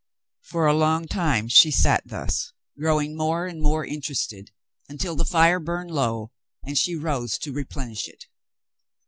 For a long time she sat thus, growing more and more interested, until the fire burned low, and she rose to replenish it.